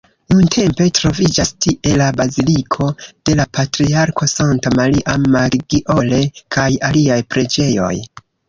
Nuntempe troviĝas tie la baziliko de la patriarko Santa Maria Maggiore kaj aliaj preĝejoj.